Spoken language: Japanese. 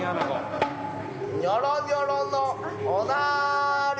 ニョロニョロのおなり。